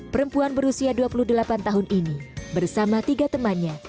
perempuan berusia dua puluh delapan tahun ini bersama tiga temannya